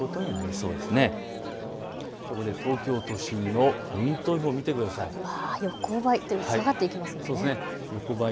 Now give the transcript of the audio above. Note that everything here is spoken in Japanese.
そこで東京都心のポイント予報を見てください。